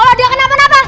yalah dia kenapa kenapa